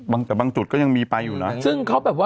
ใบบางจุดก็ยังพลังไปนะ